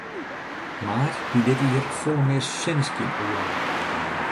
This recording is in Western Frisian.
Maart hie dit jier folle mear sinneskynoeren.